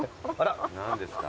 何ですか。